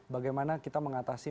bagaimana kita mengatasi